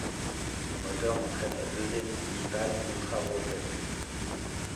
Ces moteurs entraînaient deux hélices bipales contrarotatives.